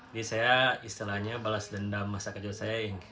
ini saya istilahnya balas dendam masa kecil saya